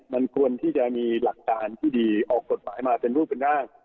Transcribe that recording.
มันควรที่จะมีหลักการที่ดีออกกฎหมายมาเป็นรูปเป็นร่าง